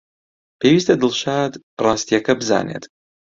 پێویستە دڵشاد ڕاستییەکە بزانێت.